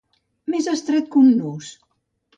Més estret que un nus.